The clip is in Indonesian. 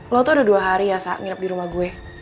lo tuh ada dua hari ya sak ngirap di rumah gue